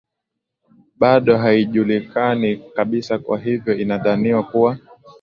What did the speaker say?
bado haijulikani kabisa kwa hivyo inadhaniwa kuwa